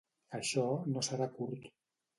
Això no serà curt.